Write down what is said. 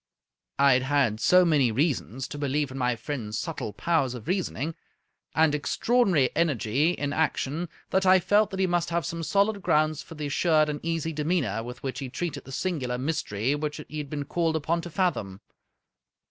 I had had so many reasons to believe in my friend's subtle powers of reasoning, and extraordinary energy in action, that I felt that he must have some solid grounds for the assured and easy demeanor with which he treated the singular mystery which he had been called upon to fathom.